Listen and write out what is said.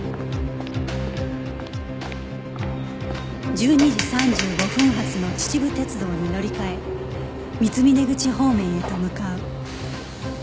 １２時３５分発の秩父鉄道に乗り換え三峰口方面へと向かう